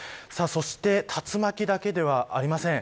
そして竜巻だけではありません。